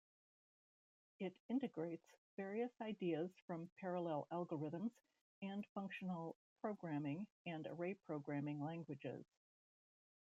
It integrates various ideas from parallel algorithms, and functional programming and array programming languages.